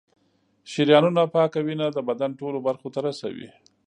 شریانونه پاکه وینه د بدن ټولو برخو ته رسوي.